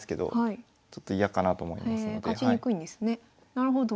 なるほど。